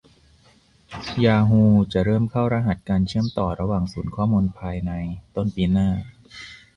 ยาฮูจะเริ่มเข้ารหัสการเชื่อมต่อระหว่างศูนย์ข้อมูลภายในต้นปีหน้า